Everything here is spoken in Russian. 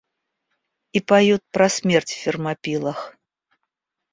И поют про смерть в Фермопилах.